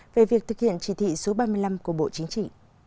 về việc thực hiện chỉ thị số ba mươi năm của bộ chính trị